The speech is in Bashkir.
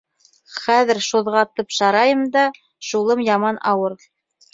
Хәҙер шуҙғатып шарайым да, шулым яман ауыр.